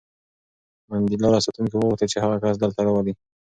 منډېلا له ساتونکي وغوښتل چې هغه کس دلته راولي.